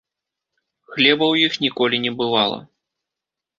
Хлеба ў іх ніколі не бывала.